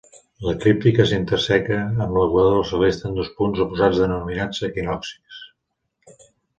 L'eclíptica s'interseca amb l'equador celeste en dos punts oposats denominats equinoccis.